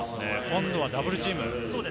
今度はダブルチーム。